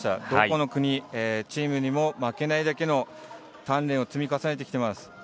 どこの国、チームにも負けないだけの鍛錬を積み重ねてきています。